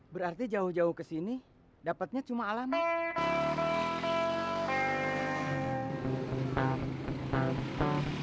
berarti jauh jauh ke sini dapatnya cuma alami